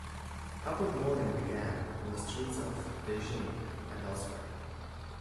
Public mourning began on the streets of Beijing and elsewhere.